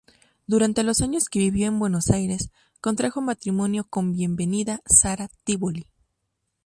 Durante los años que vivió en Buenos Aires, contrajo matrimonio con Bienvenida Sara Tívoli.